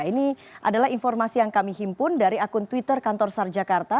ini adalah informasi yang kami himpun dari akun twitter kantor sar jakarta